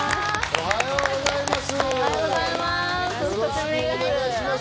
おはようございます。